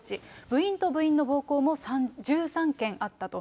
部員と部員の暴行も１３件あったと。